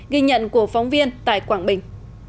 ghi nhận của phóng viên tại quảng bình